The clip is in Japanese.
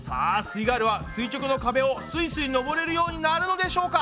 イガールは垂直の壁をすいすい登れるようになるのでしょうか？